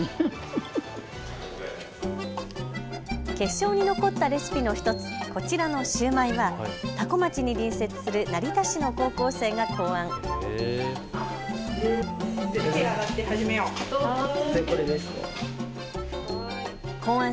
決勝に残ったレシピの１つ、こちらのシューマイは多古町に隣接する成田市の高校生が考案。